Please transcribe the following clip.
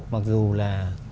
mặc dù là